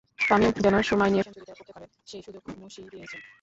তামিম যেন সময় নিয়ে সেঞ্চুরিটা করতে পারেন, সেই সুযোগ মুশিই দিয়েছেন।